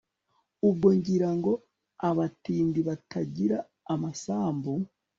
ubwo ngira ngo abatindi batagira amasambu